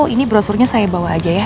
ini brosurnya saya bawa aja ya